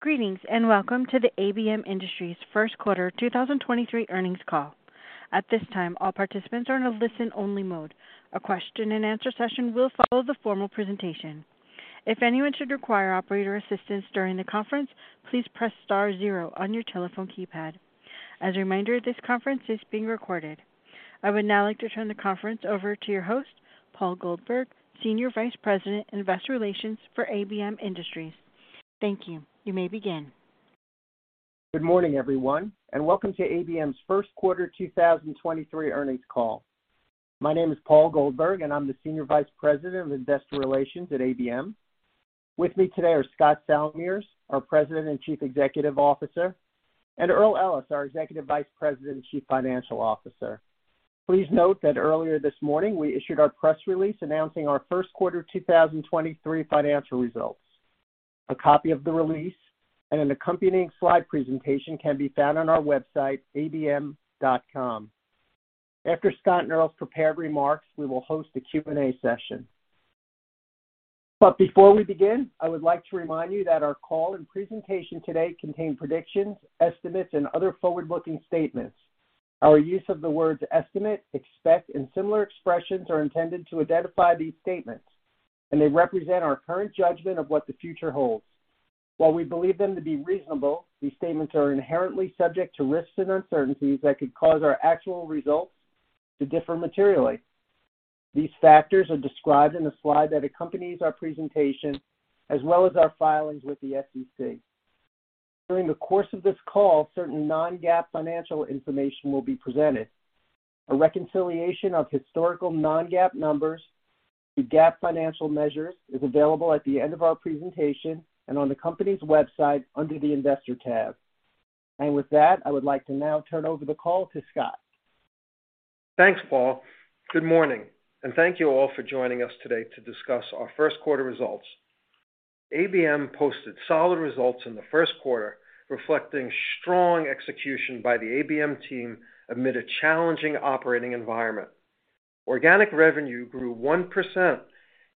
Greetings, welcome to the ABM Industries First Quarter 2023 Earnings Call. At this time, all participants are in a listen-only mode. A question-and-answer session will follow the formal presentation. If anyone should require operator assistance during the conference, please press star 0 on your telephone keypad. As a reminder, this conference is being recorded. I would now like to turn the conference over to your host, Paul Goldberg, Senior Vice President, Investor Relations for ABM Industries. Thank you. You may begin. Good morning, everyone, and welcome to ABM's First Quarter 2023 Earnings Call. My name is Paul Goldberg, and I'm the Senior Vice President of Investor Relations at ABM. With me today are Scott Salmirs, our President and Chief Executive Officer, and Earl Ellis, our Executive Vice President and Chief Financial Officer. Please note that earlier this morning, we issued our press release announcing our first quarter 2023 financial results. A copy of the release and an accompanying slide presentation can be found on our website, abm.com. After Scott and Earl's prepared remarks, we will host a Q&A session. Before we begin, I would like to remind you that our call and presentation today contain predictions, estimates, and other forward-looking statements. Our use of the words estimate, expect, and similar expressions are intended to identify these statements, and they represent our current judgment of what the future holds. While we believe them to be reasonable, these statements are inherently subject to risks and uncertainties that could cause our actual results to differ materially. These factors are described in the slide that accompanies our presentation as well as our filings with the SEC. During the course of this call, certain non-GAAP financial information will be presented. A reconciliation of historical non-GAAP numbers to GAAP financial measures is available at the end of our presentation and on the company's website under the Investor tab. With that, I would like to now turn over the call to Scott. Thanks, Paul. Good morning. Thank you all for joining us today to discuss our first quarter results. ABM posted solid results in the first quarter, reflecting strong execution by the ABM team amid a challenging operating environment. Organic revenue grew 1%,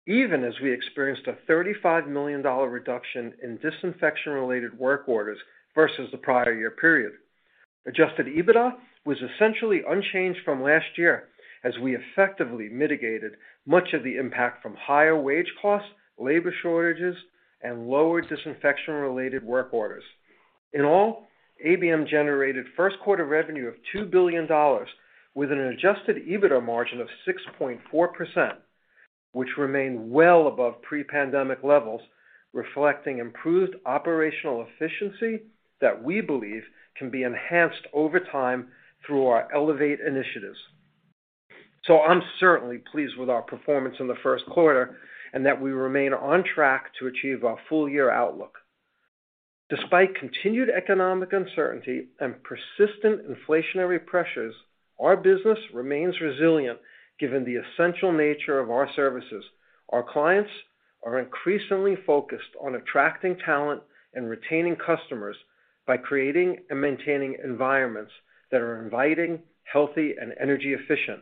even as we experienced a $35 million reduction in disinfection-related work orders versus the prior year period. Adjusted EBITDA was essentially unchanged from last year as we effectively mitigated much of the impact from higher wage costs, labor shortages, and lower disinfection-related work orders. In all, ABM generated first quarter revenue of $2 billion with an Adjusted EBITDA margin of 6.4%, which remained well above pre-pandemic levels, reflecting improved operational efficiency that we believe can be enhanced over time through our ELEVATE initiatives. I'm certainly pleased with our performance in the first quarter and that we remain on track to achieve our full-year outlook. Despite continued economic uncertainty and persistent inflationary pressures, our business remains resilient given the essential nature of our services. Our clients are increasingly focused on attracting talent and retaining customers by creating and maintaining environments that are inviting, healthy, and energy efficient.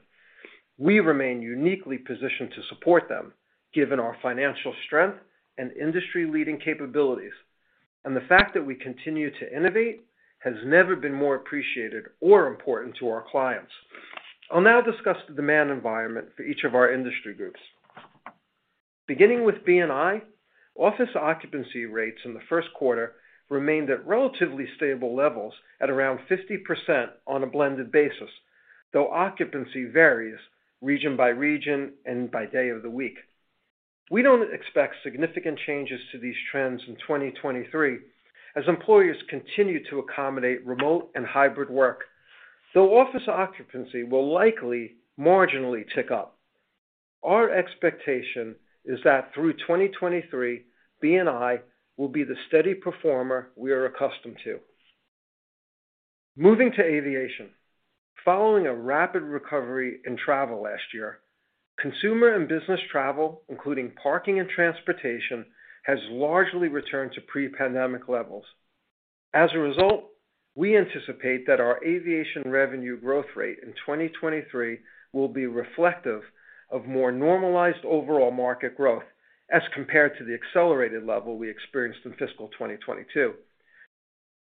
We remain uniquely positioned to support them given our financial strength and industry-leading capabilities. The fact that we continue to innovate has never been more appreciated or important to our clients. I'll now discuss the demand environment for each of our industry groups. Beginning with B&I, office occupancy rates in the first quarter remained at relatively stable levels at around 50% on a blended basis, though occupancy varies region by region and by day of the week. We don't expect significant changes to these trends in 2023 as employers continue to accommodate remote and hybrid work, though office occupancy will likely marginally tick up. Our expectation is that through 2023, B&I will be the steady performer we are accustomed to. Moving to aviation. Following a rapid recovery in travel last year, consumer and business travel, including parking and transportation, has largely returned to pre-pandemic levels. As a result, we anticipate that our aviation revenue growth rate in 2023 will be reflective of more normalized overall market growth as compared to the accelerated level we experienced in fiscal 2022.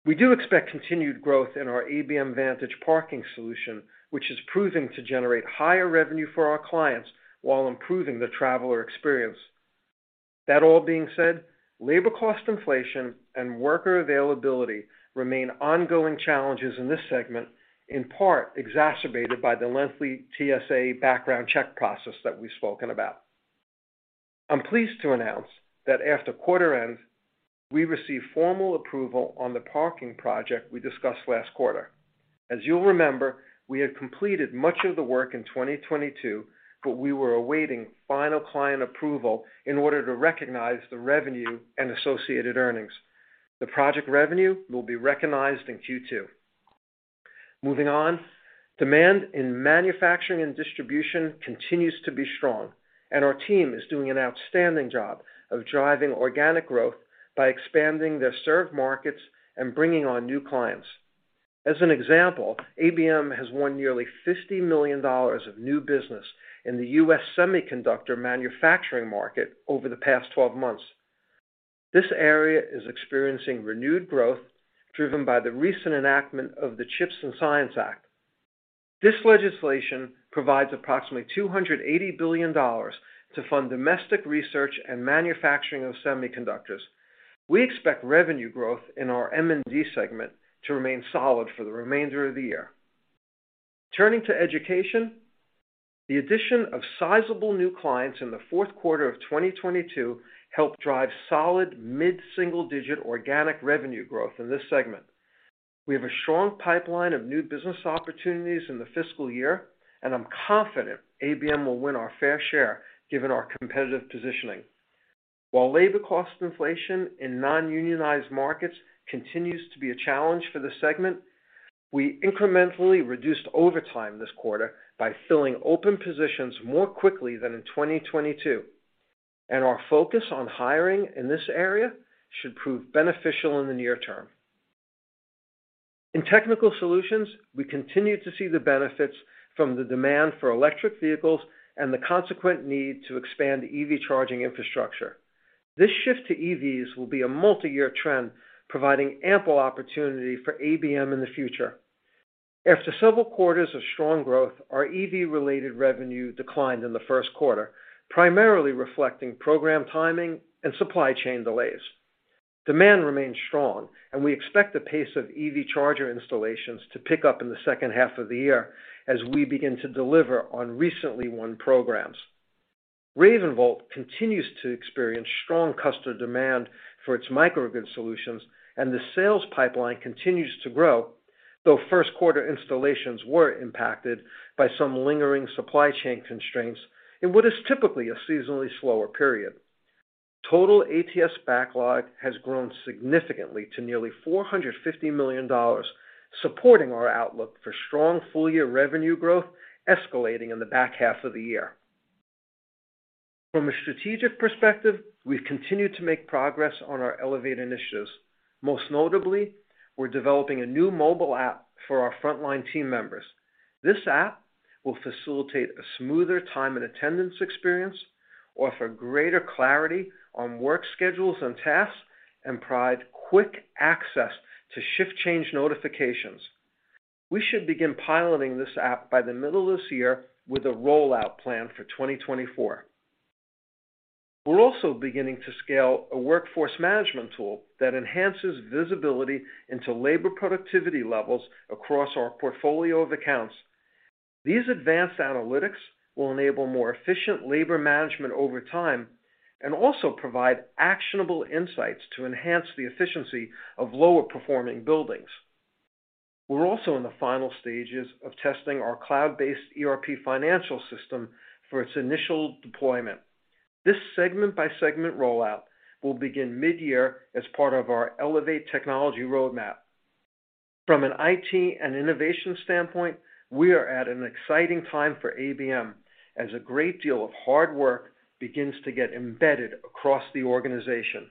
We do expect continued growth in our ABM Vantage Parking solution, which is proving to generate higher revenue for our clients while improving the traveler experience. That all being said, labor cost inflation and worker availability remain ongoing challenges in this segment, in part exacerbated by the lengthy TSA background check process that we've spoken about. I'm pleased to announce that after quarter end, we received formal approval on the parking project we discussed last quarter. You'll remember, we had completed much of the work in 2022, but we were awaiting final client approval in order to recognize the revenue and associated earnings. The project revenue will be recognized in Q2. Moving on, demand in manufacturing and distribution continues to be strong, and our team is doing an outstanding job of driving organic growth by expanding their served markets and bringing on new clients. An example, ABM has won nearly $50 million of new business in the U.S. semiconductor manufacturing market over the past 12 months. This area is experiencing renewed growth, driven by the recent enactment of the CHIPS and Science Act. This legislation provides approximately $280 billion to fund domestic research and manufacturing of semiconductors. We expect revenue growth in our M&D segment to remain solid for the remainder of the year. Turning to education, the addition of sizable new clients in the fourth quarter of 2022 helped drive solid mid-single-digit organic revenue growth in this segment. We have a strong pipeline of new business opportunities in the fiscal year, and I'm confident ABM will win our fair share given our competitive positioning. While labor cost inflation in non-unionized markets continues to be a challenge for this segment, we incrementally reduced overtime this quarter by filling open positions more quickly than in 2022, and our focus on hiring in this area should prove beneficial in the near term. In technical solutions, we continue to see the benefits from the demand for electric vehicles and the consequent need to expand EV charging infrastructure. This shift to EVs will be a multi-year trend, providing ample opportunity for ABM in the future. After several quarters of strong growth, our EV-related revenue declined in the first quarter, primarily reflecting program timing and supply chain delays. Demand remains strong, and we expect the pace of EV charger installations to pick up in the second half of the year as we begin to deliver on recently won programs. RavenVolt continues to experience strong customer demand for its microgrid solutions, and the sales pipeline continues to grow, though first quarter installations were impacted by some lingering supply chain constraints in what is typically a seasonally slower period. Total ATS backlog has grown significantly to nearly $450 million, supporting our outlook for strong full-year revenue growth escalating in the back half of the year. From a strategic perspective, we've continued to make progress on our ELEVATE initiatives. Most notably, we're developing a new mobile app for our frontline team members. This app will facilitate a smoother time and attendance experience, offer greater clarity on work schedules and tasks, and provide quick access to shift change notifications. We should begin piloting this app by the middle of this year with a rollout plan for 2024. We're also beginning to scale a workforce management tool that enhances visibility into labor productivity levels across our portfolio of accounts. These advanced analytics will enable more efficient labor management over time and also provide actionable insights to enhance the efficiency of lower performing buildings. We're also in the final stages of testing our cloud-based ERP financial system for its initial deployment. This segment-by-segment rollout will begin mid-year as part of our ELEVATE technology roadmap. From an IT and innovation standpoint, we are at an exciting time for ABM as a great deal of hard work begins to get embedded across the organization.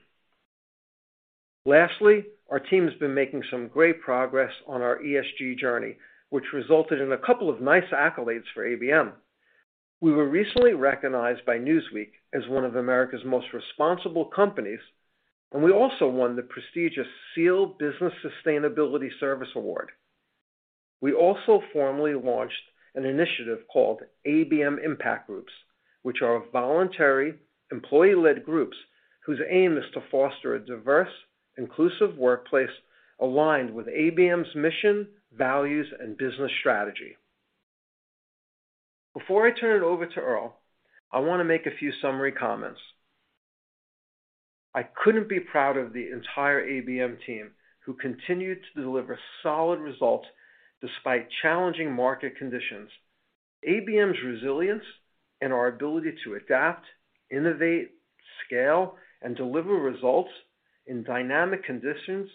Lastly, our team has been making some great progress on our ESG journey, which resulted in a couple of nice accolades for ABM. We were recently recognized by Newsweek as one of America's most responsible companies, and we also won the prestigious SEAL Sustainable Service Award. We also formally launched an initiative called ABM Impact Groups, which are voluntary employee-led groups whose aim is to foster a diverse, inclusive workplace aligned with ABM's mission, values, and business strategy. Before I turn it over to Earl, I want to make a few summary comments. I couldn't be prouder of the entire ABM team, who continue to deliver solid results despite challenging market conditions. ABM's resilience and our ability to adapt, innovate, scale, and deliver results in dynamic conditions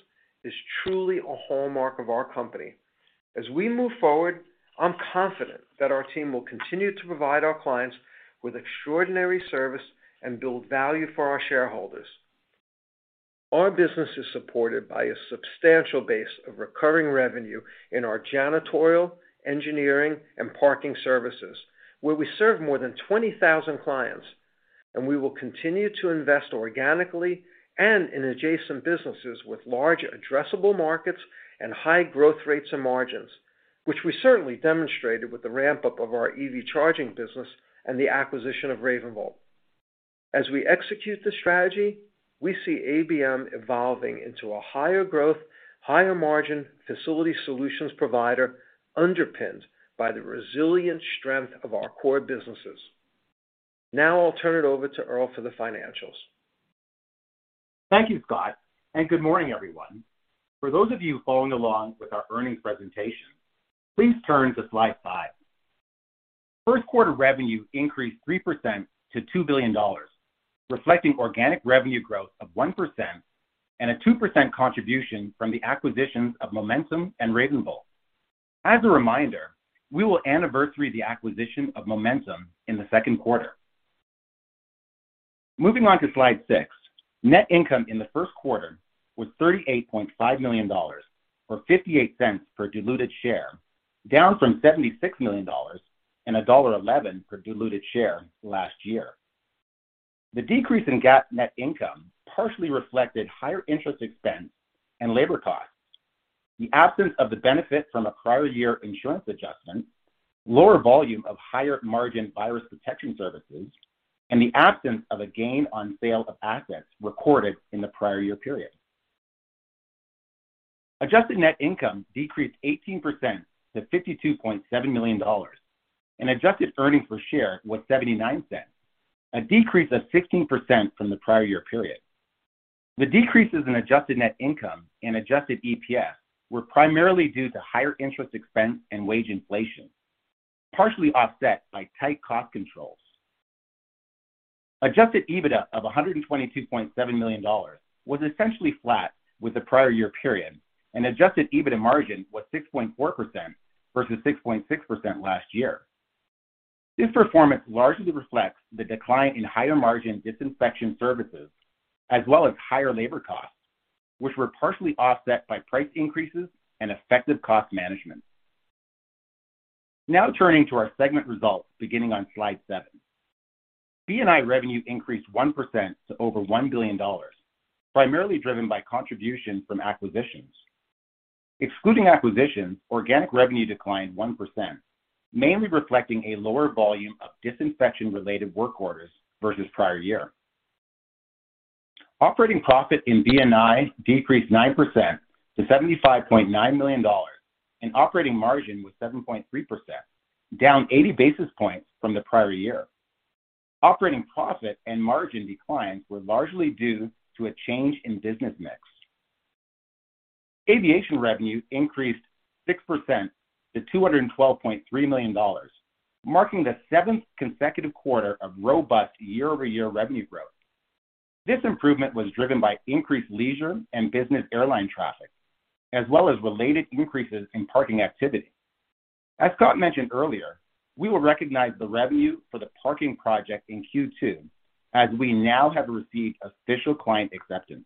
is truly a hallmark of our company. As we move forward, I'm confident that our team will continue to provide our clients with extraordinary service and build value for our shareholders. Our business is supported by a substantial base of recurring revenue in our janitorial, engineering, and parking services, where we serve more than 20,000 clients. We will continue to invest organically and in adjacent businesses with large addressable markets and high growth rates and margins, which we certainly demonstrated with the ramp-up of our EV charging business and the acquisition of RavenVolt. As we execute the strategy, we see ABM evolving into a higher growth, higher margin facility solutions provider underpinned by the resilient strength of our core businesses. I'll turn it over to Earl for the financials. Thank you, Scott. Good morning, everyone. For those of you following along with our earnings presentation, please turn to slide 5. First quarter revenue increased 3% to $2 billion, reflecting organic revenue growth of 1% and a 2% contribution from the acquisitions of Momentum and RavenVolt. As a reminder, we will anniversary the acquisition of Momentum in the second quarter. Moving on to slide 6. Net income in the first quarter was $38.5 million, or $0.58 per diluted share, down from $76 million and $1.11 per diluted share last year. The decrease in GAAP net income partially reflected higher interest expense and labor costs, the absence of the benefit from a prior year insurance adjustment, lower volume of higher margin virus detection services, and the absence of a gain on sale of assets recorded in the prior year period. Adjusted net income decreased 18% to $52.7 million, and Adjusted EPS was $0.79, a decrease of 16% from the prior year period. The decreases in adjusted net income and Adjusted EPS were primarily due to higher interest expense and wage inflation, partially offset by tight cost controls. Adjusted EBITDA of $122.7 million was essentially flat with the prior year period, and Adjusted EBITDA margin was 6.4% versus 6.6% last year. This performance largely reflects the decline in higher margin disinfection services as well as higher labor costs, which were partially offset by price increases and effective cost management. Turning to our segment results beginning on slide 7. B&I revenue increased 1% to over $1 billion, primarily driven by contribution from acquisitions. Excluding acquisitions, organic revenue declined 1%, mainly reflecting a lower volume of disinfection-related work orders versus prior year. Operating profit in B&I decreased 9% to $75.9 million, and operating margin was 7.3%, down 80 basis points from the prior year. Operating profit and margin declines were largely due to a change in business mix. Aviation revenue increased 6% to $212.3 million, marking the seventh consecutive quarter of robust year-over-year revenue growth. This improvement was driven by increased leisure and business airline traffic, as well as related increases in parking activity. As Scott mentioned earlier, we will recognize the revenue for the parking project in Q2 as we now have received official client acceptance.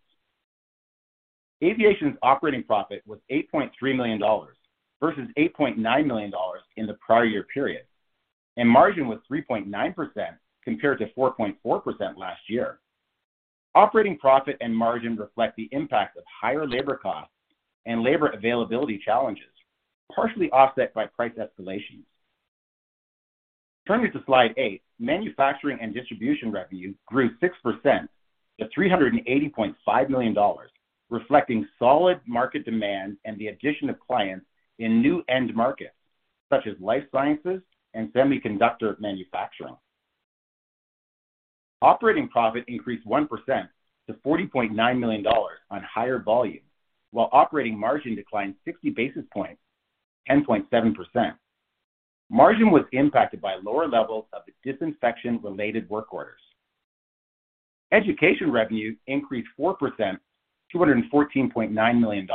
Aviation's operating profit was $8.3 million versus $8.9 million in the prior year period, and margin was 3.9% compared to 4.4% last year. Operating profit and margin reflect the impact of higher labor costs and labor availability challenges, partially offset by price escalations. Turning to slide 8. Manufacturing and Distribution revenue grew 6% to $380.5 million, reflecting solid market demand and the addition of clients in new end markets, such as life sciences and semiconductor manufacturing. Operating profit increased 1% to $40.9 million on higher volume, while operating margin declined 60 basis points, 10.7%. Margin was impacted by lower levels of disinfection-related work orders. Education revenue increased 4% to $214.9 million,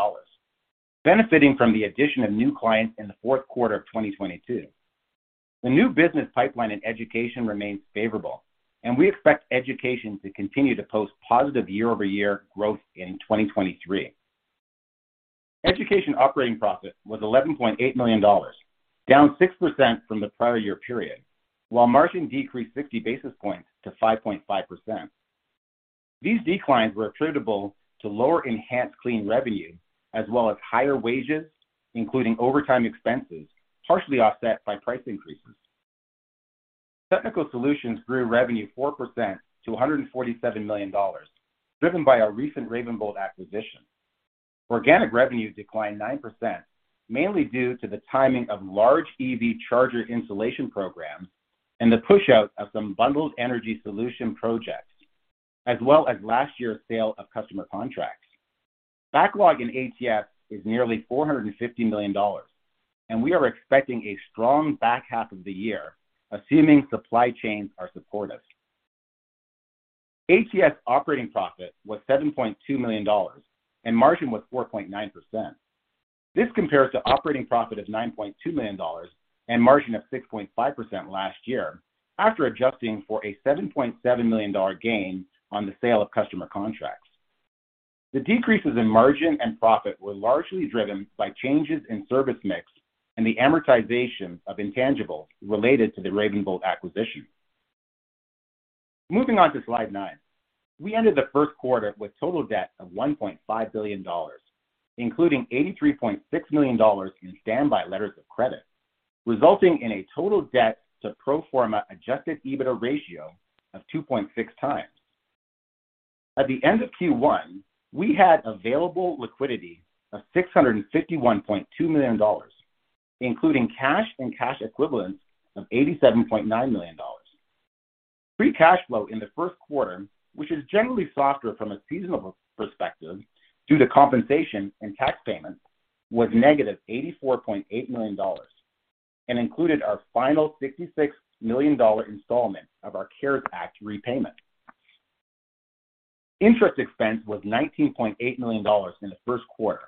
benefiting from the addition of new clients in the fourth quarter of 2022. We expect education to continue to post positive year-over-year growth in 2023. Education operating profit was $11.8 million, down 6% from the prior year period, while margin decreased 60 basis points to 5.5%. These declines were attributable to lower enhanced clean revenue as well as higher wages, including overtime expenses, partially offset by price increases. Technical Solutions grew revenue 4% to $147 million, driven by our recent RavenVolt acquisition. Organic revenue declined 9%, mainly due to the timing of large EV charger installation programs and the pushout of some bundled energy solution projects, as well as last year's sale of customer contracts. Backlog in ATS is nearly $450 million, and we are expecting a strong back half of the year, assuming supply chains are supportive. ATS operating profit was $7.2 million, and margin was 4.9%. This compares to operating profit of $9.2 million and margin of 6.5% last year after adjusting for a $7.7 million gain on the sale of customer contracts. The decreases in margin and profit were largely driven by changes in service mix and the amortization of intangibles related to the RavenVolt acquisition. Moving on to slide 9. We ended the first quarter with total debt of $1.5 billion, including $83.6 million in standby letters of credit, resulting in a total debt to pro forma Adjusted EBITDA ratio of 2.6 times. At the end of Q1, we had available liquidity of $651.2 million, including cash and cash equivalents of $87.9 million. Free cash flow in the first quarter, which is generally softer from a seasonal perspective due to compensation and tax payments, was negative $84.8 million and included our final $66 million installment of our CARES Act repayment. Interest expense was $19.8 million in the first quarter,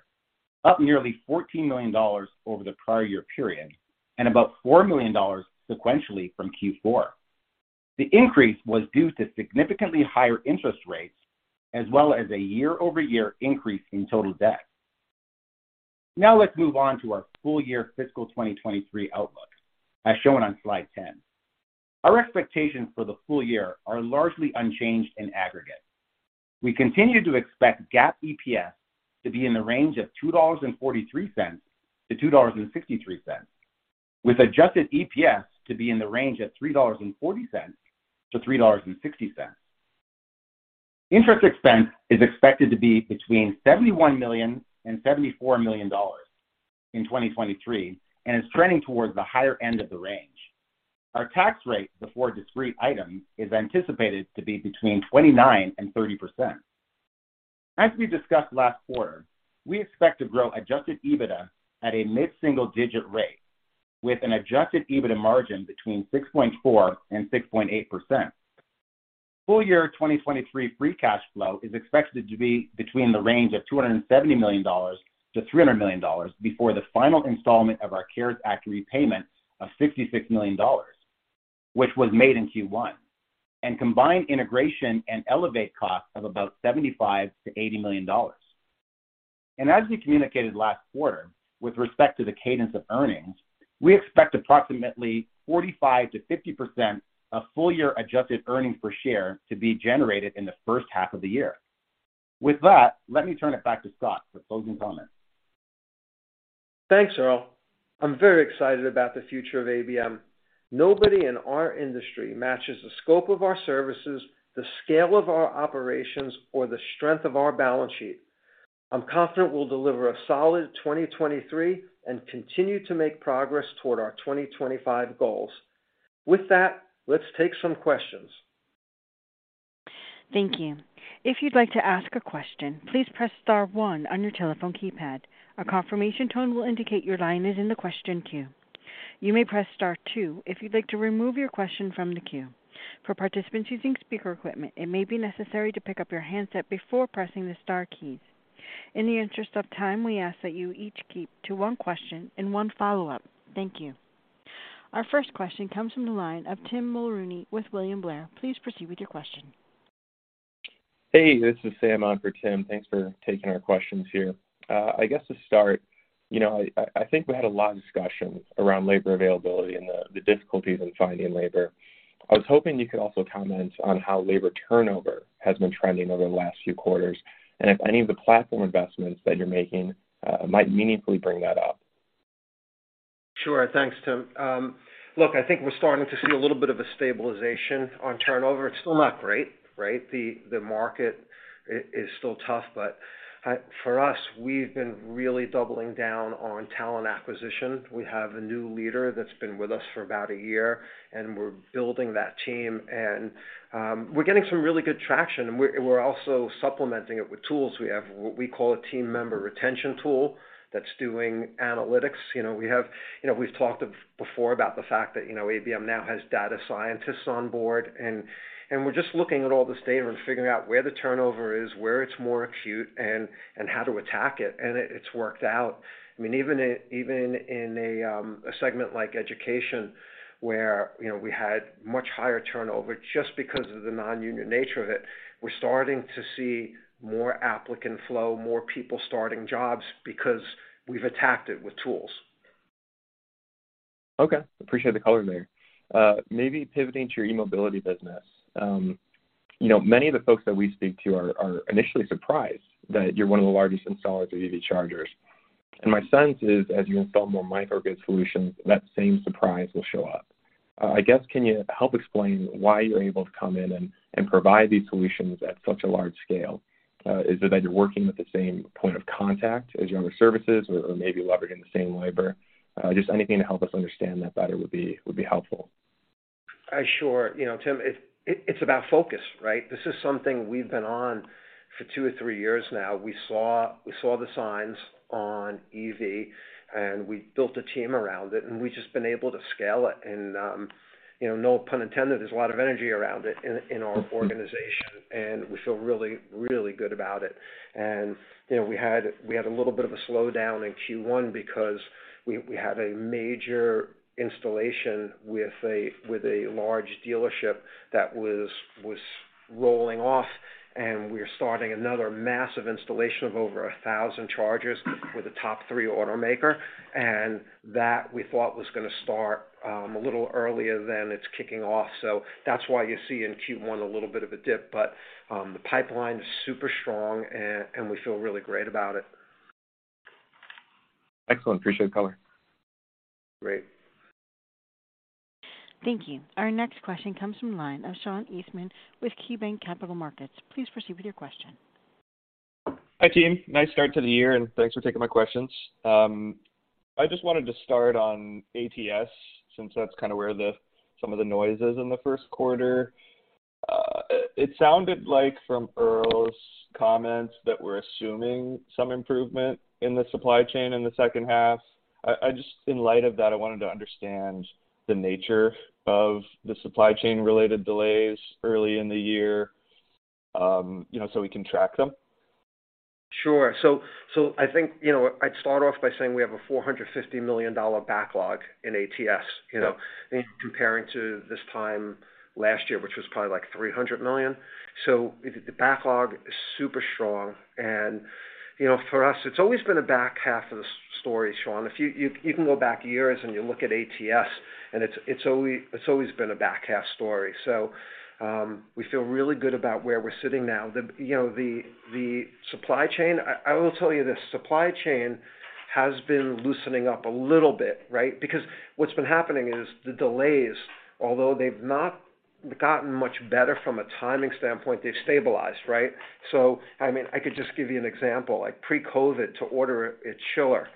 up nearly $14 million over the prior year period, and about $4 million sequentially from Q4. The increase was due to significantly higher interest rates as well as a year-over-year increase in total debt. Let's move on to our full year fiscal 2023 outlook, as shown on slide 10. Our expectations for the full year are largely unchanged in aggregate. We continue to expect GAAP EPS to be in the range of $2.43 to $2.63, with Adjusted EPS to be in the range of $3.40-$3.60. Interest expense is expected to be between $71 million and $74 million in 2023 and is trending towards the higher end of the range. Our tax rate before discrete items is anticipated to be between 29% and 30%. As we discussed last quarter, we expect to grow Adjusted EBITDA at a mid-single-digit rate with an Adjusted EBITDA margin between 6.4% and 6.8%. Full year 2023 free cash flow is expected to be between the range of $270 million-$300 million before the final installment of our CARES Act repayment of $56 million, which was made in Q1, and combined integration and ELEVATE costs of about $75 million-$80 million. As we communicated last quarter with respect to the cadence of earnings, we expect approximately 45%-50% of full year adjusted earnings per share to be generated in the first half of the year. With that, let me turn it back to Scott for closing comments. Thanks, Earl. I'm very excited about the future of ABM. Nobody in our industry matches the scope of our services, the scale of our operations, or the strength of our balance sheet. I'm confident we'll deliver a solid 2023 and continue to make progress toward our 2025 goals. Let's take some questions. Thank you. If you'd like to ask a question, please press star one on your telephone keypad. A confirmation tone will indicate your line is in the question queue. You may press star two if you'd like to remove your question from the queue. For participants using speaker equipment, it may be necessary to pick up your handset before pressing the star keys. In the interest of time, we ask that you each keep to one question and one follow-up. Thank you. Our first question comes from the line of Tim Mulrooney with William Blair. Please proceed with your question. Hey, this is Sam on for Tim. Thanks for taking our questions here. I guess to start, you know, I think we had a lot of discussions around labor availability and the difficulties in finding labor. I was hoping you could also comment on how labor turnover has been trending over the last few quarters and if any of the platform investments that you're making might meaningfully bring that up. Sure. Thanks, Tim. Look, I think we're starting to see a little bit of a stabilization on turnover. It's still not great, right? The market is still tough, but for us, we've been really doubling down on talent acquisition. We have a new leader that's been with us for about a year, and we're building that team and we're getting some really good traction and we're also supplementing it with tools. We have what we call a team member retention tool that's doing analytics. You know, we've talked of before about the fact that, you know, ABM now has data scientists on board and we're just looking at all this data and figuring out where the turnover is, where it's more acute and how to attack it, and it's worked out. I mean, even in a segment like education where, you know, we had much higher turnover just because of the non-union nature of it, we're starting to see more applicant flow, more people starting jobs because we've attacked it with tools. Okay. Appreciate the color there. Maybe pivoting to your eMobility business. You know, many of the folks that we speak to are initially surprised that you're one of the largest installers of EV chargers. My sense is, as you install more microgrid solutions, that same surprise will show up. I guess can you help explain why you're able to come in and provide these solutions at such a large scale? Is it that you're working with the same point of contact as your other services or maybe leveraging the same labor? Just anything to help us understand that better would be helpful. Sure. You know, Tim, it's about focus, right? This is something we've been on for two or three years now. We saw the signs on EV. We built a team around it. We've just been able to scale it. You know, no pun intended, there's a lot of energy around it in our organization, and we feel really, really good about it. You know, we had a little bit of a slowdown in Q1 because we had a major installation with a large dealership that was rolling off, and we're starting another massive installation of over 1,000 chargers with a top three automaker. That we thought was gonna start a little earlier than it's kicking off. That's why you see in Q1 a little bit of a dip. The pipeline is super strong and we feel really great about it. Excellent. Appreciate the color. Great. Thank you. Our next question comes from the line of Sean Eastman with KeyBanc Capital Markets. Please proceed with your question. Hi, team. Nice start to the year, and thanks for taking my questions. I just wanted to start on ATS since that's kinda where the, some of the noise is in the first quarter. It sounded like from Earl's comments that we're assuming some improvement in the supply chain in the second half. I just in light of that, I wanted to understand the nature of the supply chain related delays early in the year, you know, so we can track them. Sure. I think, you know, I'd start off by saying we have a $450 million backlog in ATS, you know. Yeah. Comparing to this time last year, which was probably like $300 million. The backlog is super strong and, you know, for us it's always been a back half of the story, Sean. If you can go back years and you look at ATS, and it's always been a back half story. We feel really good about where we're sitting now. The, you know, the supply chain, I will tell you this, supply chain has been loosening up a little bit, right? Because what's been happening is the delays, although they've not gotten much better from a timing standpoint, they've stabilized, right? I mean, I could just give you an example. Like pre-COVID, to order a chiller,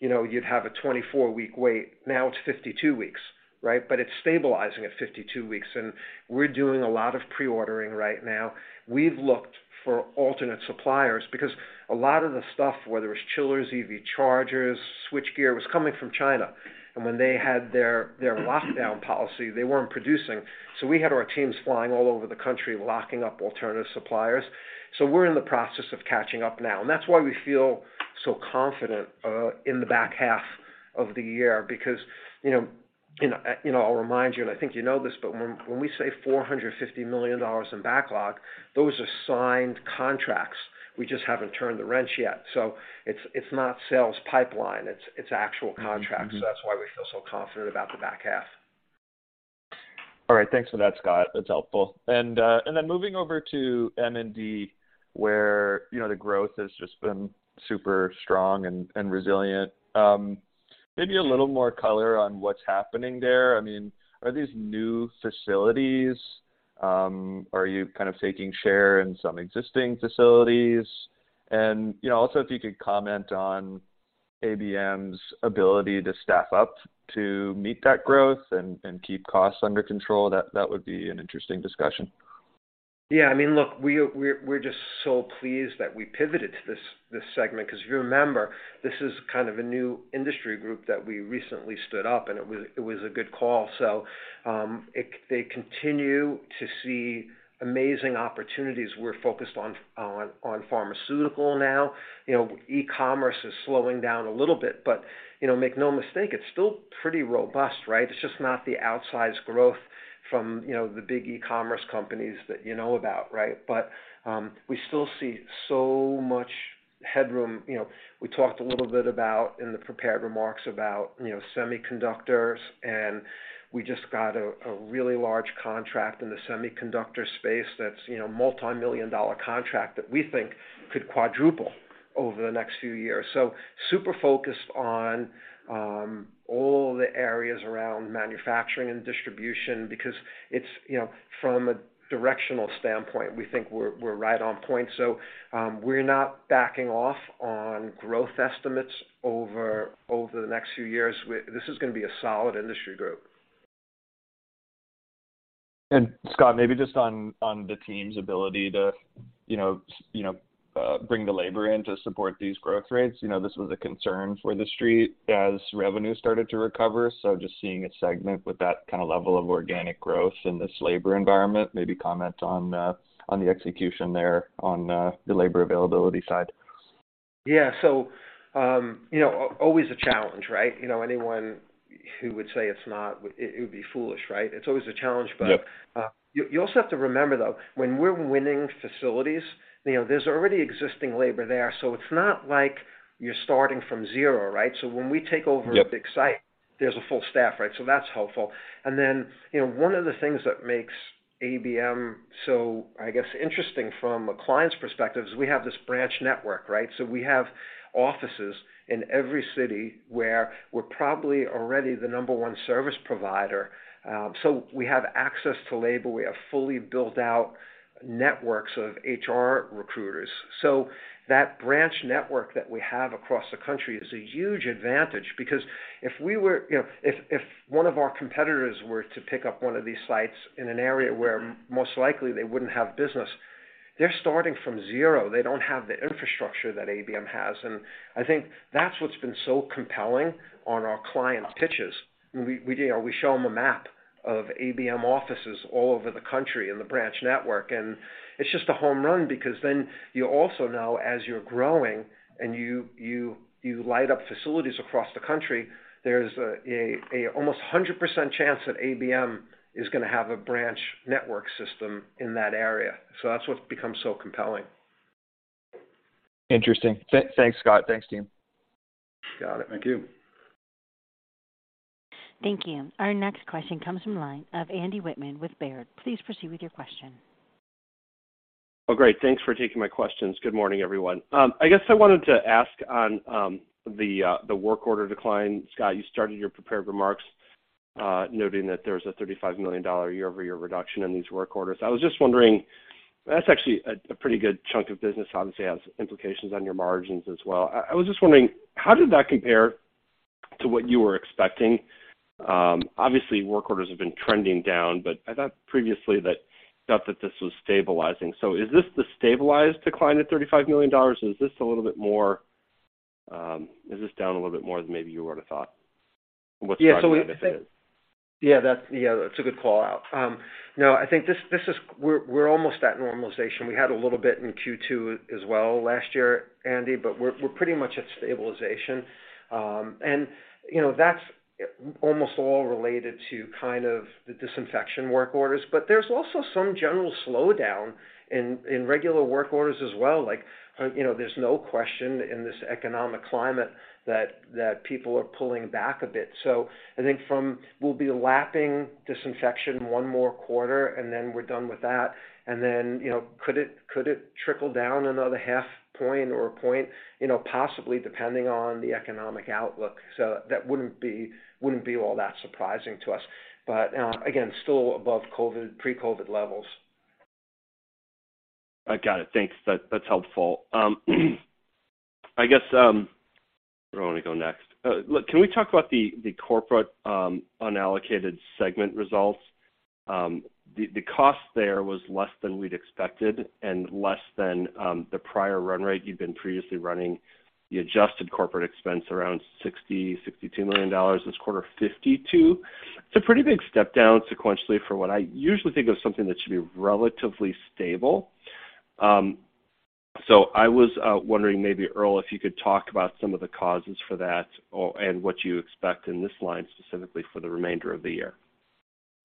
you know, you'd have a 24-week wait. Now it's 52 weeks, right? It's stabilizing at 52 weeks. We're doing a lot of pre-ordering right now. We've looked for alternate suppliers because a lot of the stuff, whether it's chillers, EV chargers, switchgear, was coming from China. When they had their lockdown policy, they weren't producing. We had our teams flying all over the country, locking up alternative suppliers. We're in the process of catching up now, and that's why we feel so confident in the back half of the year. You know, I'll remind you, and I think you know this, but when we say $450 million in backlog, those are signed contracts. We just haven't turned the wrench yet. It's not sales pipeline, it's actual contracts. Mm-hmm. That's why we feel so confident about the back half. All right. Thanks for that, Scott. That's helpful. Then moving over to M&D, where, you know, the growth has just been super strong and resilient. Maybe a little more color on what's happening there. I mean, are these new facilities? Are you kind of taking share in some existing facilities? You know, also if you could comment on ABM's ability to staff up to meet that growth and keep costs under control, that would be an interesting discussion. Yeah, I mean, look, we're just so pleased that we pivoted to this segment, 'cause if you remember, this is kind of a new industry group that we recently stood up, and it was, it was a good call. They continue to see amazing opportunities. We're focused on pharmaceutical now. You know, e-commerce is slowing down a little bit, but, you know, make no mistake, it's still pretty robust, right? It's just not the outsized growth from, you know, the big e-commerce companies that you know about, right? But, we still see so much headroom. You know, we talked a little bit about, in the prepared remarks, about, you know, semiconductors, and we just got a really large contract in the semiconductor space that's, you know, multimillion-dollar contract that we think could quadruple over the next few years. Super focused on all the areas around manufacturing and distribution because it's, you know, from a directional standpoint, we think we're right on point. We're not backing off on growth estimates over the next few years. This is gonna be a solid industry group. Scott, maybe just on the team's ability to, you know, bring the labor in to support these growth rates. You know, this was a concern for the street as revenue started to recover. Just seeing a segment with that kind of level of organic growth in this labor environment, maybe comment on the execution there on the labor availability side. Yeah. you know, always a challenge, right? You know, anyone who would say it's not, it would be foolish, right? It's always a challenge. Yep. You also have to remember though, when we're winning facilities, you know, there's already existing labor there, so it's not like you're starting from zero, right? When we take over. Yep... a big site, there's a full staff, right? That's helpful. You know, one of the things that makes ABM so, I guess, interesting from a client's perspective is we have this branch network, right? We have offices in every city where we're probably already the number one service provider. We have access to labor. We have fully built out networks of HR recruiters. That branch network that we have across the country is a huge advantage because you know, if one of our competitors were to pick up one of these sites in an area where most likely they wouldn't have business, they're starting from zero. They don't have the infrastructure that ABM has. I think that's what's been so compelling on our client pitches. We, you know, we show them a map of ABM offices all over the country and the branch network. It's just a home run because then you also know as you're growing and you light up facilities across the country, there's a almost 100% chance that ABM is gonna have a branch network system in that area. That's what's become so compelling. Interesting. Thanks, Scott. Thanks, team. Got it. Thank you. Thank you. Our next question comes from line of Andy Wittmann with Baird. Please proceed with your question. Oh, great. Thanks for taking my questions. Good morning, everyone. I guess I wanted to ask on the work order decline. Scott, you started your prepared remarks, noting that there's a $35 million year-over-year reduction in these work orders. I was just wondering, that's actually a pretty good chunk of business, obviously has implications on your margins as well. I was just wondering how did that compare to what you were expecting. Obviously work orders have been trending down, I thought previously that this was stabilizing. Is this the stabilized decline at $35 million, or is this a little bit more? Is this down a little bit more than maybe you would have thought? What's driving it if it is? Yeah. Yeah, that's a good call-out. No, I think this, we're almost at normalization. We had a little bit in Q2 as well last year, Andy, but we're pretty much at stabilization. And, you know, that's almost all related to kind of the disinfection work orders. There's also some general slowdown in regular work orders as well. Like, you know, there's no question in this economic climate that people are pulling back a bit. I think we'll be lapping disinfection one more quarter, and then we're done with that. Then, you know, could it trickle down another half point or a point? You know, possibly, depending on the economic outlook. That wouldn't be all that surprising to us. Again, still above pre-COVID levels. I got it. Thanks. That's helpful. I guess, where do I want to go next? Look, can we talk about the corporate unallocated segment results? The cost there was less than we'd expected and less than the prior run rate. You'd been previously running the adjusted corporate expense around $60 million-$62 million. This quarter, $52 million. It's a pretty big step down sequentially for what I usually think of something that should be relatively stable. I was wondering maybe, Earl, if you could talk about some of the causes for that or and what you expect in this line, specifically for the remainder of the year.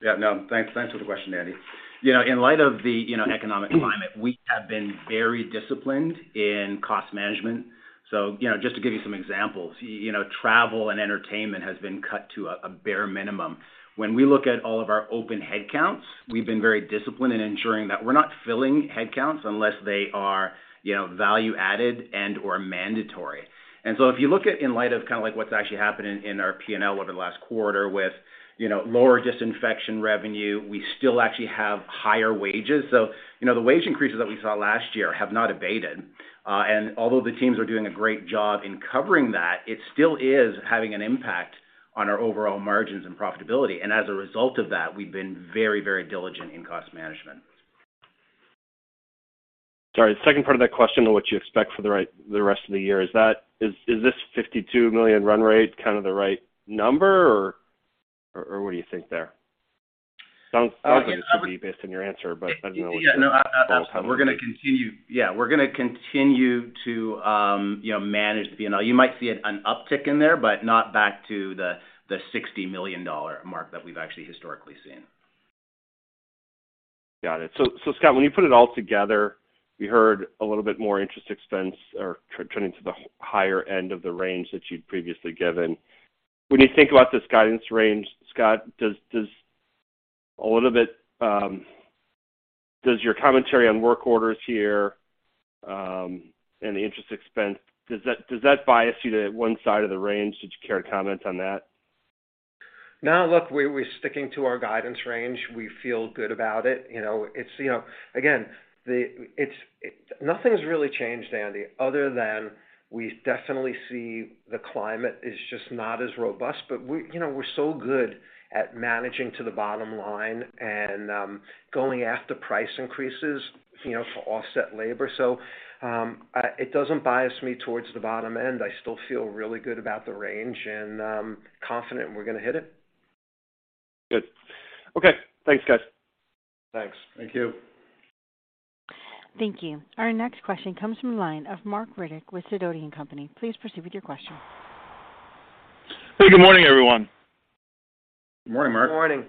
Yeah, no, thanks. Thanks for the question, Andy Wittmann. You know, in light of the, you know, economic climate, we have been very disciplined in cost management. You know, just to give you some examples, you know, travel and entertainment has been cut to a bare minimum. When we look at all of our open headcounts, we've been very disciplined in ensuring that we're not filling headcounts unless they are, you know, value added and/or mandatory. If you look at in light of kind of like what's actually happened in our P&L over the last quarter with, you know, lower disinfection revenue, we still actually have higher wages. You know, the wage increases that we saw last year have not abated. Although the teams are doing a great job in covering that, it still is having an impact on our overall margins and profitability. As a result of that, we've been very, very diligent in cost management. Sorry. The second part of that question on what you expect for the rest of the year. Is this $52 million run rate kind of the right number, or what do you think there? Sounds positive to me based on your answer. I don't know what the total tally is there. Yeah. No, we're gonna continue to, you know, manage the P&L. You might see an uptick in there, but not back to the $60 million mark that we've actually historically seen. Got it. Scott, when you put it all together, we heard a little bit more interest expense or trending to the higher end of the range that you'd previously given. When you think about this guidance range, Scott, does a little bit, does your commentary on work orders here, and the interest expense, does that bias you to one side of the range? Would you care to comment on that? No. Look, we're sticking to our guidance range. We feel good about it. You know, it's, you know. Again, nothing's really changed, Andy, other than we definitely see the climate is just not as robust. We, you know, we're so good at managing to the bottom line and going after price increases, you know, to offset labor. It doesn't bias me towards the bottom end. I still feel really good about the range and confident we're gonna hit it. Good. Okay. Thanks, guys. Thanks. Thank you. Thank you. Our next question comes from the line of Marc Riddick with Sidoti & Company. Please proceed with your question. Hey, good morning, everyone. Good morning, Marc. Morning.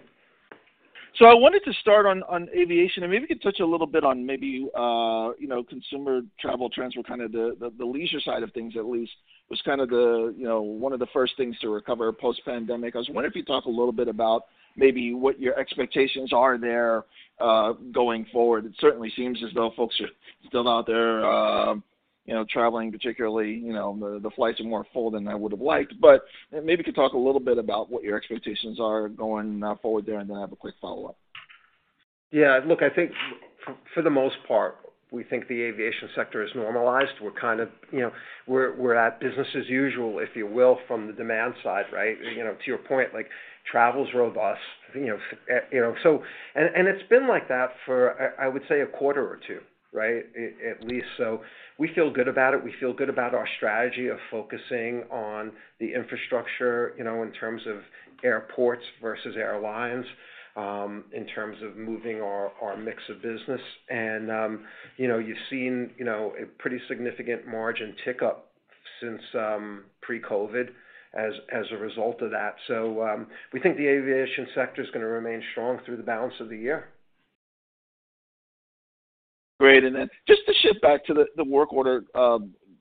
I wanted to start on aviation, and maybe you could touch a little bit on maybe, you know, consumer travel trends were kind of the leisure side of things, at least, was kind of the, you know, one of the first things to recover post-pandemic. I was wondering if you talk a little bit about maybe what your expectations are there, going forward. It certainly seems as though folks are still out there, you know, traveling particularly. You know, the flights are more full than I would have liked. Maybe you could talk a little bit about what your expectations are going, forward there, and then I have a quick follow-up. Yeah. Look, I think for the most part, we think the aviation sector is normalized. We're kind of, you know, we're at business as usual, if you will, from the demand side, right? You know, to your point, like, travel's robust, you know, you know. And it's been like that for, I would say a quarter or two, right? At least. We feel good about it. We feel good about our strategy of focusing on the infrastructure, you know, in terms of airports versus airlines, in terms of moving our mix of business. And, you know, you've seen, you know, a pretty significant margin tick-up since pre-COVID as a result of that. We think the aviation sector is gonna remain strong through the balance of the year. Great. Then just to shift back to the work order,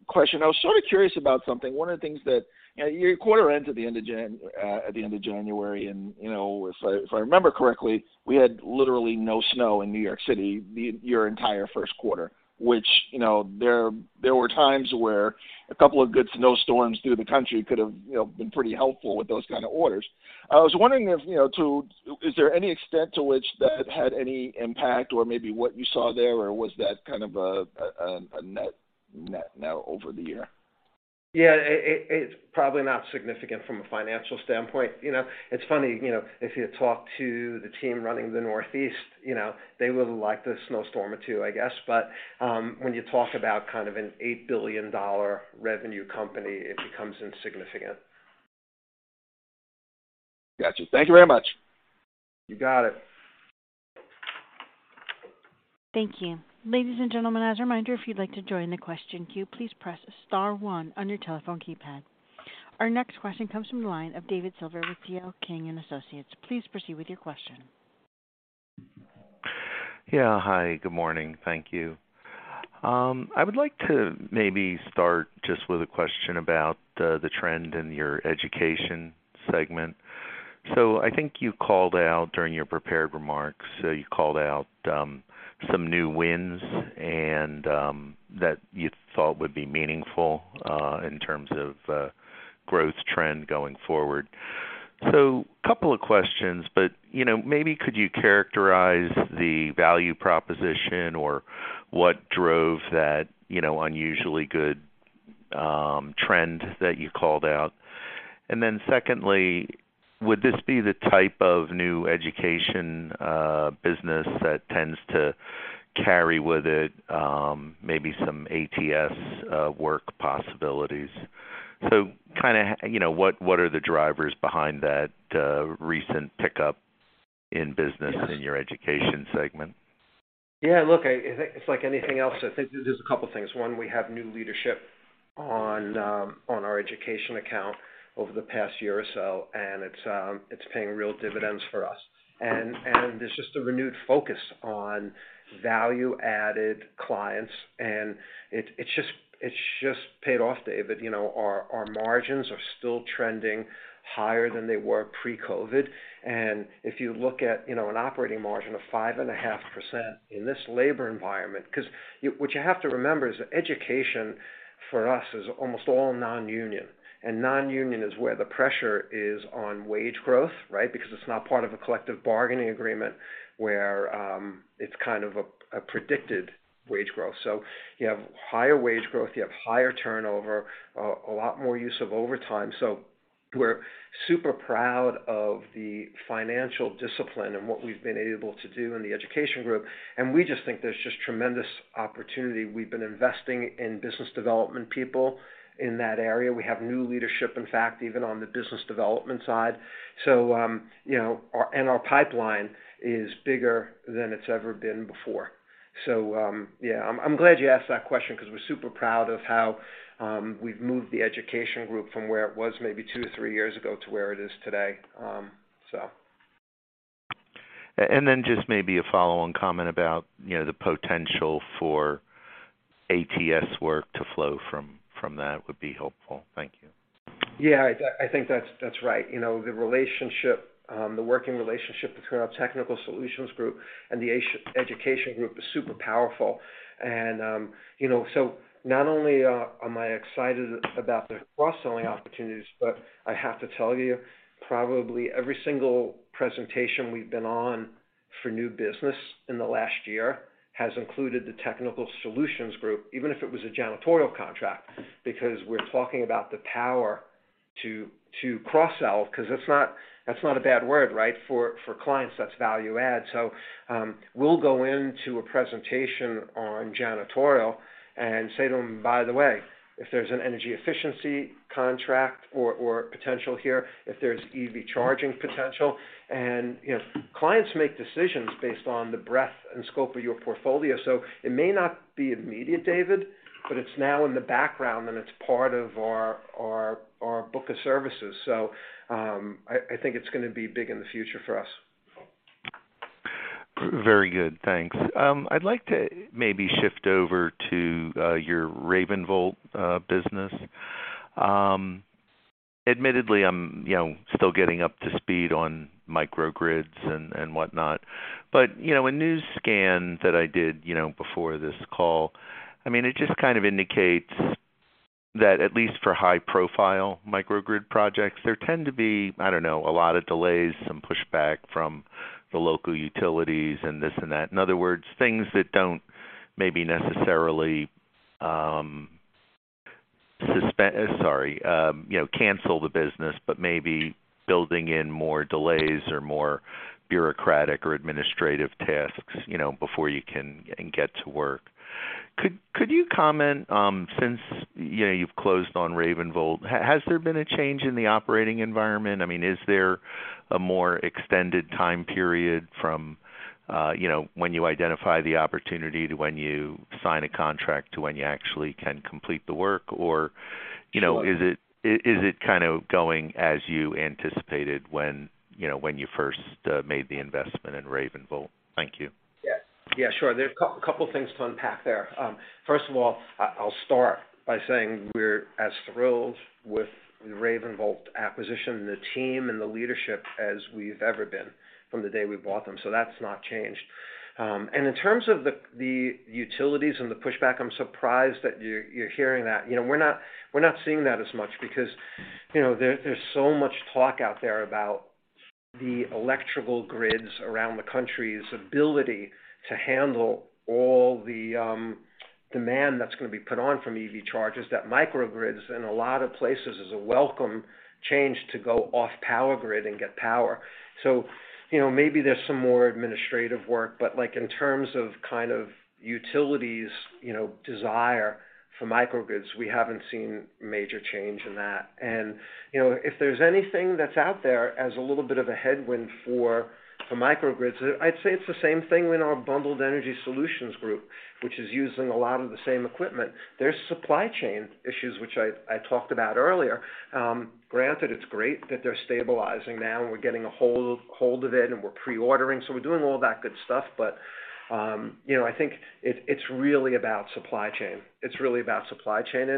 question. I was sort of curious about something. One of the things that, you know, your quarter ends at the end of January. You know, if I, if I remember correctly, we had literally no snow in New York City your entire first quarter, which, you know, there were times where a couple of good snow storms through the country could have, you know, been pretty helpful with those kind of orders. I was wondering if, you know, is there any extent to which that had any impact or maybe what you saw there? Or was that kind of a, a net net over the year? Yeah, it's probably not significant from a financial standpoint. You know, it's funny, you know, if you talk to the team running the Northeast, you know, they would have liked a snowstorm or two, I guess. When you talk about kind of an $8 billion revenue company, it becomes insignificant. Gotcha. Thank you very much. You got it. Thank you. Ladies and gentlemen, as a reminder, if you'd like to join the question queue, please press star 1 on your telephone keypad. Our next question comes from the line of David Silver with C.L. King & Associates. Please proceed with your question. Hi, good morning. Thank you. I would like to maybe start just with a question about the trend in your education segment. I think you called out during your prepared remarks some new wins and that you thought would be meaningful in terms of growth trend going forward. Couple of questions, but, you know, maybe could you characterize the value proposition or what drove that, you know, unusually good trend that you called out? Secondly, would this be the type of new education business that tends to carry with it maybe some ATS work possibilities? Kinda, you know, what are the drivers behind that recent pickup in business in your education segment? Look, It's like anything else. I think there's a couple things. One, we have new leadership on on our education account over the past year or so, and it's paying real dividends for us. There's just a renewed focus on value-added clients, and it's just paid off, David. You know, our margins are still trending higher than they were pre-COVID. If you look at, you know, an operating margin of 5.5% in this labor environment. 'Cause what you have to remember is that education for us is almost all non-union, and non-union is where the pressure is on wage growth, right? It's not part of a collective bargaining agreement where it's kind of a predicted wage growth. You have higher wage growth, you have higher turnover, a lot more use of overtime. We're super proud of the financial discipline and what we've been able to do in the education group, and we just think there's just tremendous opportunity. We've been investing in business development people in that area. We have new leadership, in fact, even on the business development side. you know, our pipeline is bigger than it's ever been before. yeah, I'm glad you asked that question 'cause we're super proud of how we've moved the education group from where it was maybe 2-3 years ago to where it is today. Then just maybe a follow-on comment about, you know, the potential for ATS work to flow from that would be helpful. Thank you. Yeah, I think that's right. You know, the relationship, the working relationship between our Technical Solutions group and the Education group is super powerful. You know, not only am I excited about the cross-selling opportunities, but I have to tell you, probably every single presentation we've been on for new business in the last year has included the Technical Solutions group, even if it was a janitorial contract, because we're talking about the power to cross-sell. 'Cause that's not a bad word, right? For clients, that's value-add. We'll go into a presentation on janitorial and say to them, "By the way, if there's an energy efficiency contract or potential here, if there's EV charging potential." You know, clients make decisions based on the breadth and scope of your portfolio. it may not be immediate, David, but it's now in the background, and it's part of our book of services. I think it's gonna be big in the future for us. Very good. Thanks. I'd like to maybe shift over to your RavenVolt business. Admittedly, I'm, you know, still getting up to speed on microgrids and whatnot. You know, a new scan that I did, you know, before this call, I mean, it just kind of indicates that at least for high-profile microgrid projects, there tend to be, I don't know, a lot of delays, some pushback from the local utilities and this and that. In other words, things that don't maybe necessarily, sorry, you know, cancel the business, but maybe building in more delays or more bureaucratic or administrative tasks, you know, before you can get to work. Could you comment, since, you know, you've closed on RavenVolt, has there been a change in the operating environment? I mean, is there a more extended time period from, you know, when you identify the opportunity to when you sign a contract to when you actually can complete the work? You know, is it kind of going as you anticipated when, you know, when you first made the investment in RavenVolt? Thank you. Yes. Yeah, sure. There's a couple things to unpack there. First of all, I'll start by saying we're as thrilled with the RavenVolt acquisition and the team and the leadership as we've ever been from the day we bought them. That's not changed. In terms of the utilities and the pushback, I'm surprised that you're hearing that. You know, we're not seeing that as much because, you know, there's so much talk out there about the electrical grids around the country's ability to handle all the demand that's gonna be put on from EV charges, that microgrids in a lot of places is a welcome change to go off power grid and get power. You know, maybe there's some more administrative work, but like in terms of kind of utilities, you know, desire for microgrids, we haven't seen major change in that. You know, if there's anything that's out there as a little bit of a headwind for microgrids, I'd say it's the same thing in our bundled energy solutions group, which is using a lot of the same equipment. There's supply chain issues, which I talked about earlier. Granted, it's great that they're stabilizing now and we're getting a hold of it and we're pre-ordering, so we're doing all that good stuff. You know, I think it's really about supply chain. It's really about supply chain.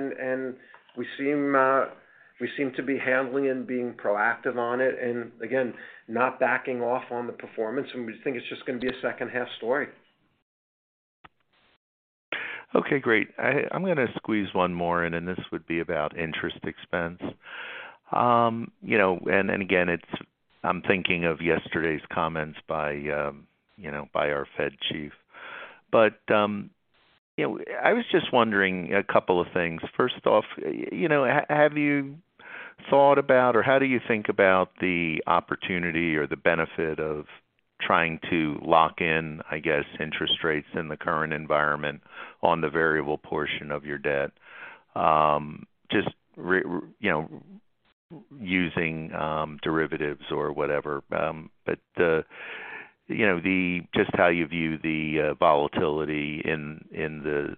We seem to be handling and being proactive on it and again, not backing off on the performance. We think it's just gonna be a second-half story. Okay, great. I'm gonna squeeze one more in, and this would be about interest expense. you know, and again, I'm thinking of yesterday's comments by, you know, by our Fed chief. you know, I was just wondering a couple of things. First off, you know, have you thought about or how do you think about the opportunity or the benefit of trying to lock in, I guess, interest rates in the current environment on the variable portion of your debt? Just, you know, using derivatives or whatever, but, you know, just how you view the volatility in the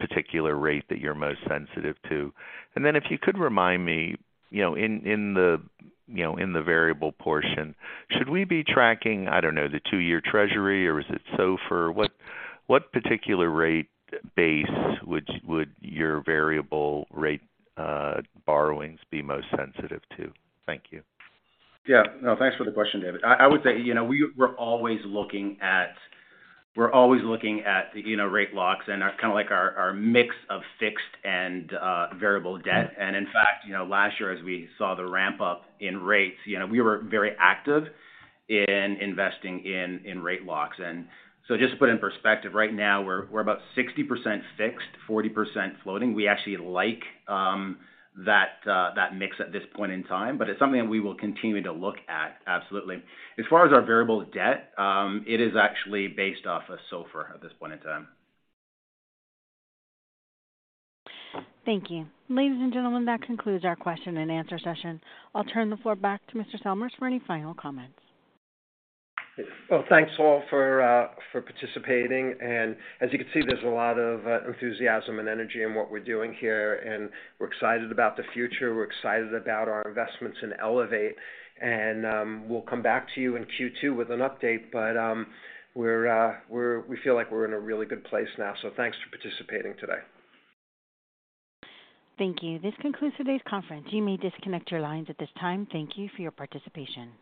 particular rate that you're most sensitive to. If you could remind me, you know, in the, you know, in the variable portion, should we be tracking, I don't know, the two-year treasury or is it SOFR? What particular rate base would your variable rate borrowings be most sensitive to? Thank you. Yeah. No, thanks for the question, David. I would say, you know, we're always looking at, you know, rate locks and kind of like our mix of fixed and variable debt. In fact, you know, last year, as we saw the ramp up in rates, you know, we were very active in investing in rate locks. Just to put in perspective, right now we're about 60% fixed, 40% floating. We actually like that mix at this point in time, but it's something that we will continue to look at. Absolutely. As far as our variable debt, it is actually based off of SOFR at this point in time. Thank you. Ladies and gentlemen, that concludes our question and answer session. I'll turn the floor back to Mr. Salmirs for any final comments. Well, thanks all for participating. As you can see, there's a lot of enthusiasm and energy in what we're doing here, and we're excited about the future. We're excited about our investments in ELEVATE. We'll come back to you in Q2 with an update, but we feel like we're in a really good place now. Thanks for participating today. Thank you. This concludes today's conference. You may disconnect your lines at this time. Thank you for your participation.